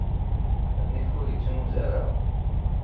Nnif ur yettnuz ara.